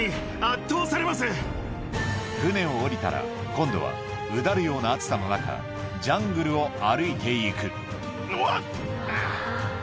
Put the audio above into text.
船を下りたら今度はうだるような暑さの中ジャングルを歩いて行くうわっ！